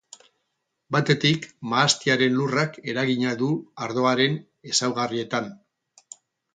Batetik, mahastiaren lurrak eragina du ardoaren ezaugarrietan.